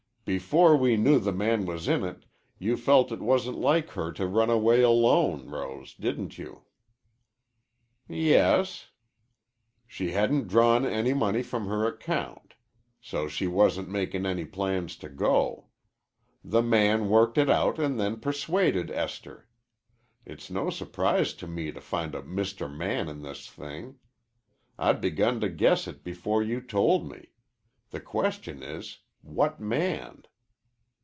"Before we knew the man was in it you felt it wasn't like her to run away alone, Rose. Didn't you?" "Yes." "She hadn't drawn any money from her account, So she wasn't makin' any plans to go. The man worked it out an' then persuaded Esther. It's no surprise to me to find a Mr. Man in this thing. I'd begun to guess it before you told me. The question is, what man."